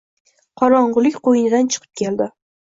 Qorong‘ulik qo‘ynidan chiqib keldi.